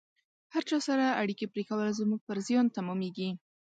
هر چا سره اړیکې پرې کول زموږ پر زیان تمامیږي